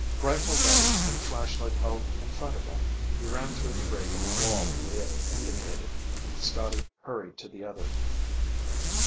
Rifle ready and flashlight held in front of him, he ran through the break in the wall he had indicated. Scotty hurried to the other.